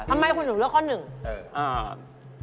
ทำไมหรือหนูเลือกข้อหนึ่งนะน่ะ